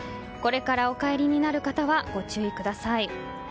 これからお帰りになる方はご注意ください。